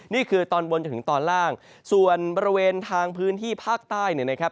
นี่คือตอนบนจนถึงตอนล่างส่วนบริเวณทางพื้นที่ภาคใต้เนี่ยนะครับ